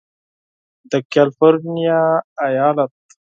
د کالفرنیا ایالت